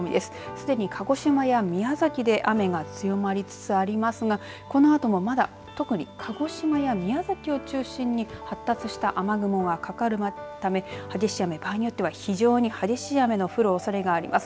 すでに鹿児島や宮崎で雨が強まりつつありますがこのあともまだ特に鹿児島や宮崎を中心に発達した雨雲がかかるため激しい雨場合によっては非常に激しい雨の降るおそれがあります。